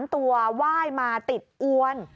๓ตัวว่ายมาติดอ้วน